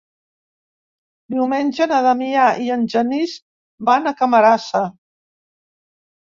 Diumenge na Damià i en Genís van a Camarasa.